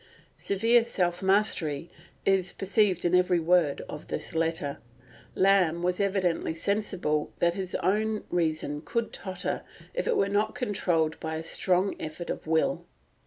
Severe self mastery is perceived in every word of this letter. Lamb was evidently sensible that his own reason would totter if it were not controlled by a strong effort of will.